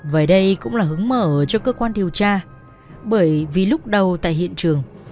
và đây cũng là hướng mở cho cơ quan điều tra bởi vì lúc đầu tại hiện trường